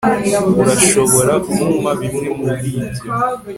urashobora kumpa bimwe muribyo